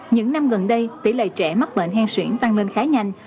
những năm gần đây tỉ lệ trẻ mắc bệnh hen xuyển tăng lên khá nhanh